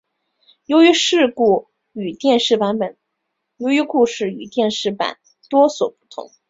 由于故事与电视版多所不同。